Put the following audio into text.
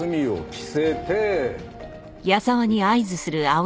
着せて。